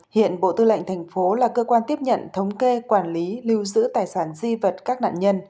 hiện bộ tư lệnh thành phố là cơ quan tiếp nhận thống kê quản lý lưu giữ tài sản di vật các nạn nhân